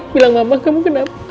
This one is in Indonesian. beritahu mama kamu kenapa